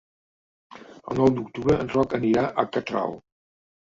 El nou d'octubre en Roc anirà a Catral.